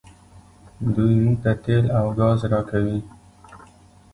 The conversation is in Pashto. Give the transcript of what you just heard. دوی موږ ته تیل او ګاز راکوي.